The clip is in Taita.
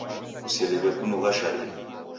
Kuseliwe kunugha sharia